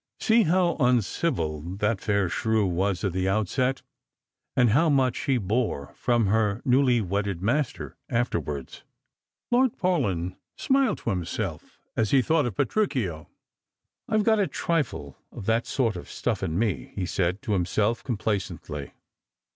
See how uncivil that fair shrew was at the outset, and how much she Strnngerg and Pilgrims. 177 bore from her newly wedded master afterwards. Lord Paulyu smiled to himself as he thought of Petruchio. " I've got a trifle of that soi t of stuff in me," he said to himself complacently.